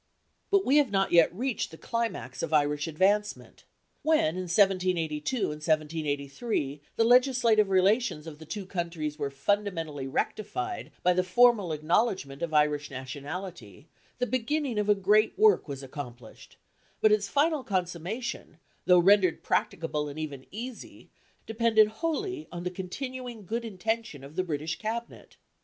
But we have not yet reached the climax of Irish advancement. When, in 1782 and 1783, the legislative relations of the two countries were fundamentally rectified by the formal acknowledgment of Irish nationality, the beginning of a great work was accomplished; but its final consummation, though rendered practicable and even easy, depended wholly on the continuing good intention of the British Cabinet.